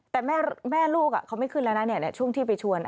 แต่แม่ลูกเขาไม่ขึ้นแล้วนะช่วงที่ไปชวน